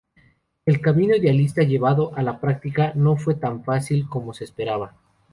El camino idealista llevado a la práctica no fue tan fácil, como se esperaba.